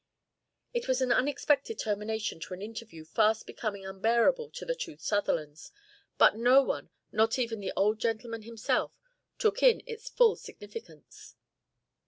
It was an unexpected termination to an interview fast becoming unbearable to the two Sutherlands, but no one, not even the old gentleman himself, took in its full significance.